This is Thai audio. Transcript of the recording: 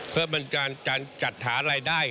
เพื่อเป็นการจัดหารายได้